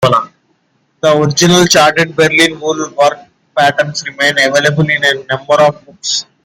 Original charted Berlin wool work patterns remain available in a number of books.